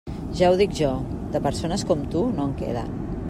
Ja ho dic jo; de persones com tu, no en queden.